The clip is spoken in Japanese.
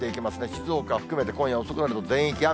静岡を含めて、今夜遅くなると全域雨。